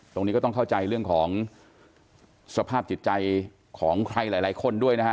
ตรงนี้ก็ต้องเข้าใจเรื่องของสภาพจิตใจของใครหลายคนด้วยนะฮะ